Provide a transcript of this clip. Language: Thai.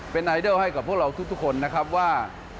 เป็นไอดอลให้กับพวกเราทุกคนนะครับว่า